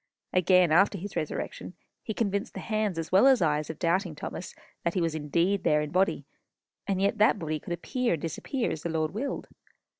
Again, after his resurrection, he convinced the hands, as well as eyes, of doubting Thomas, that he was indeed there in the body; and yet that body could appear and disappear as the Lord willed.